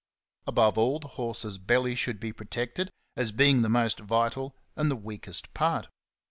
Above all, the horse's belly should be protected, as being the most vital and the weakest part.